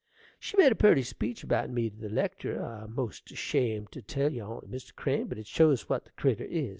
She made a purty speech about me to the lectur': I'm 'most ashamed to tell you on't, Mr. Crane, but it shows what the critter is.